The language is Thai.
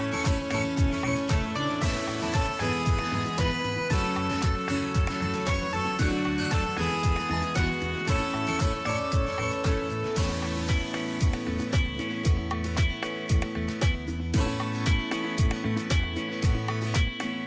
โปรดติดตามตรวจสภาพอากาศในประเทศไหนนะครับ